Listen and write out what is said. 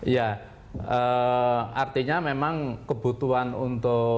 ya artinya memang kebutuhan untuk